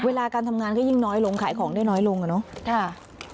เวลาการทำงานก็ยิ่งน้อยลงขายของได้น้อยลงอะเนาะ